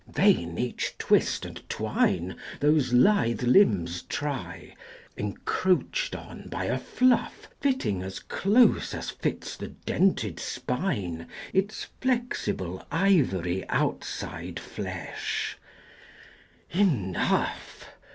Vain each twist and twine Those lithe limbs try, encroached on by a fluff Fitting as close as fits the dented spine Its flexible ivory outside flesh: enough!